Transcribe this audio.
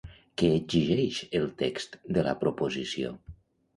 Què exigeix el text de la proposició?